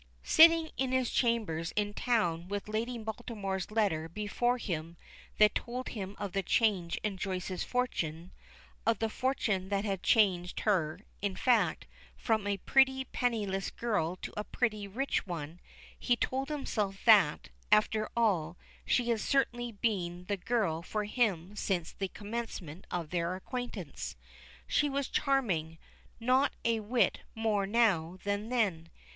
Sitting in his chambers in town with Lady Baltimore's letter before him that told him of the change in Joyce's fortune of the fortune that had changed her, in fact, from a pretty penniless girl to a pretty rich one, he told himself that, after all, she had certainly been the girl for him since the commencement of their acquaintance. She was charming not a whit more now than then.